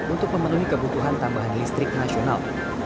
untuk memenuhi kebutuhan tambahan listrik nasional